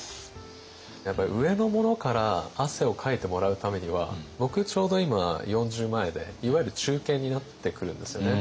やっぱり上の者から汗をかいてもらうためには僕ちょうど今４０前でいわゆる中堅になってくるんですよね。